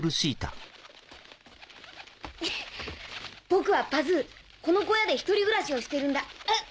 僕はパズーこの小屋でひとり暮らしをしてるんだ。